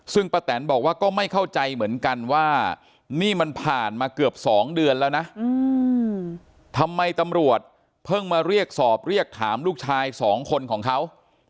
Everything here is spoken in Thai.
ซึ่งป้าแตนบอกว่าก็ไม่เข้าใจเหมือนกันว่านี่มันผ่านมาเกือบ๒เดือนแล้วนะทำไมตำรวจเพิ่งมาเรียกสอบเรียกถามลูกชายสองคนของเขา